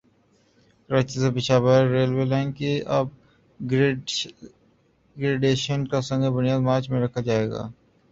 کراچی سے Peshawar railway line کی upgradation کا سنگ بنیاد مارچ میں رکھا جائے گا